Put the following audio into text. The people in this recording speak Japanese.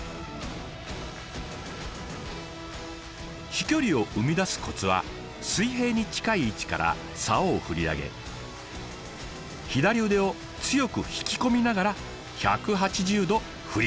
飛距離を生み出すコツは水平に近い位置からサオを振り上げ左腕を強く引き込みながら１８０度振り切ること。